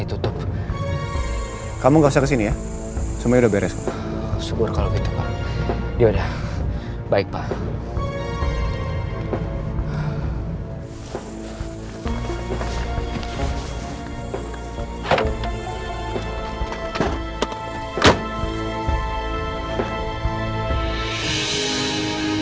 ditutup kamu gak usah kesini ya semuanya udah beres ya ya sudah kalau gitu pak ya udah baik pak